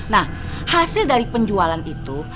nah hasil dari penjualan itu